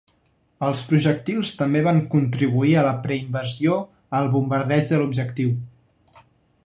Els projectils també van contribuir a la preinvasió al bombardeig de l'objectiu.